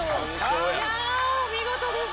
いやお見事でした。